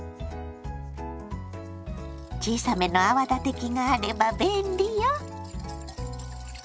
小さめの泡立て器があれば便利よ。